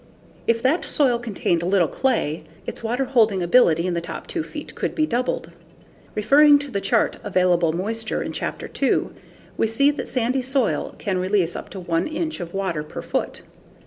If that soil contained little clay, its water holding ability in the top 2 feet could be doubled. Referring to the chart "Available Moisture" in Chapter 2, we see that sandy soil can release up to 1 inch of water per foot.